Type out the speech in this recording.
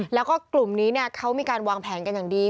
แล้วก็กลุ่มนี้เขามีการวางแผนกันอย่างดี